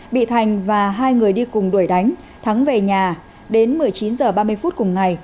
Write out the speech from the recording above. bị thành và hai người đi cùng đuổi đánh thắng về nhà đến một mươi chín h ba mươi phút cùng ngày